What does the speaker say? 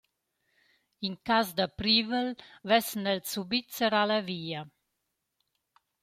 In cas da privel vessan els subit serrà la via.